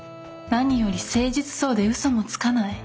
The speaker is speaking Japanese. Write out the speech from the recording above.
何より誠実そうで嘘もつかない。